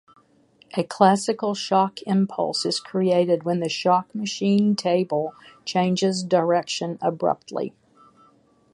A classical shock impulse is created when the shock machine table changes direction abruptly.